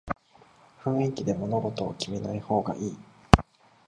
雰囲気で物事を決めない方がいい